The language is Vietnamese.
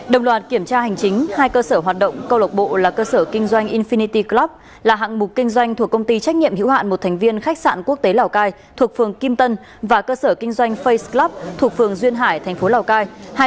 đồng loạt kiểm tra hành chính hai cơ sở hoạt động câu lọc bộ là cơ sở kinh doanh infinity club là hạng mục kinh doanh thuộc công ty trách nhiệm hữu hạn một thành viên khách sạn quốc tế lào cai thuộc phường kim tân và cơ sở kinh doanh face club thuộc phường duyên hải thành phố lào cai